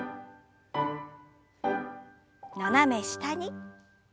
斜め下に。